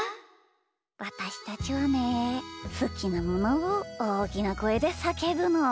わたしたちはねすきなものをおおきなこえでさけぶの。